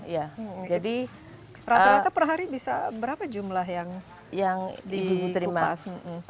rata rata perhari bisa berapa jumlah yang dikupas